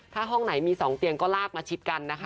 ถ้าห้องไหนมี๒เตียงก็ลากมาชิดกันนะคะ